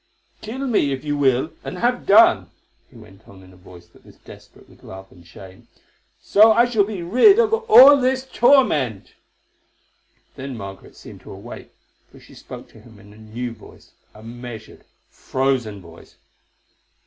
"Kill me, if you will, and have done," he went on in a voice that was desperate with love and shame. "So shall I be rid of all this torment." Then Margaret seemed to awake, for she spoke to him in a new voice—a measured, frozen voice.